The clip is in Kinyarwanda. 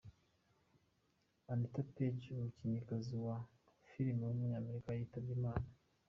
Anita Page, umukinnyikazi wa film w’umunyamerika yitabye Imana.